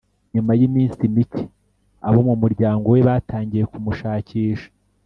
nyuma y’iminsi micye abo mu muryango we batangiye kumushakisha